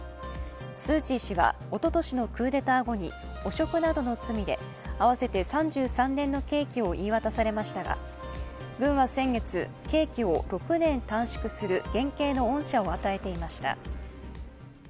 スー・チー氏はおととしのクーデター後に汚職などの罪で、合わせて３３年の刑期を言い渡されましたが、軍は先月、刑期を６年短縮する減刑の恩赦を与えていました。